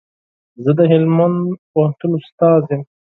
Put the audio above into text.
زه د هلمند پوهنتون استاد يم